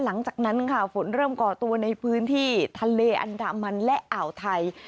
หลังจากนั้นค่ะฝนเริ่มก่อตัวในพื้นที่ทะเลอันดามันและอ่าวไทย